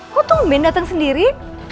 kok tunggu ben datang sendiri